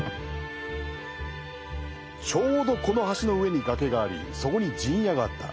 ちょうどこの橋の上に崖がありそこに陣屋があった。